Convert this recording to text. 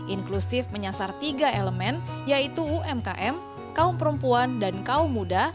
inklusif menyasar tiga elemen yaitu umkm kaum perempuan dan kaum muda